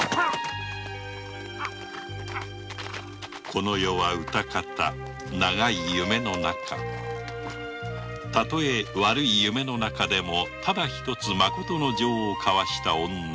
この世はうたかた長い夢の中たとえ悪い夢の中でもただひとつ誠の情をかわした女